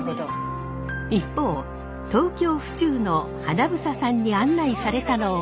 一方東京・府中の英さんに案内されたのは。